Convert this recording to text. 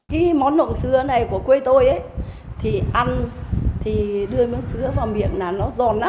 khi món nộm sứa này của quê tôi thì ăn thì đưa món sứa vào miệng là nó giòn lắm